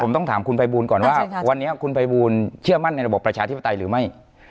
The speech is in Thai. ผมต้องถามคุณภัยบูลก่อนว่าวันนี้คุณภัยบูลเชื่อมั่นในระบบประชาธิปไตยหรือไม่